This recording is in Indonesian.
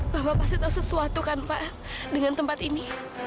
bapak pasti tahu sesuatu kan pak dengan tempat ini